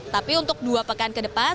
tapi untuk dua pekan ke depan